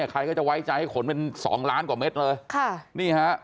ใครก็จะไว้ใจให้ขนเป็นสองล้านกว่าเมตรเลย